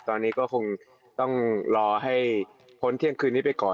ตอนนี้ก็คงต้องรอให้พ้นเที่ยงคืนนี้ไปก่อน